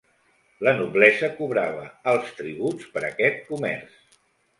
La noblesa cobrava alts tributs per aquest comerç.